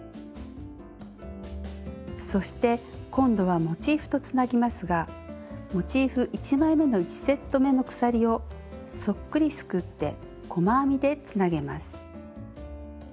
そして今度はモチーフとつなぎますがモチーフ１枚めの１セットめの鎖をそっくりすくって細編みでつなげます。